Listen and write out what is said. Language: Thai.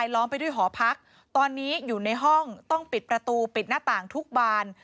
ตอนนี้อยู่ในห้องต้องปิดประตูปิดหน้าต่างทุกบาน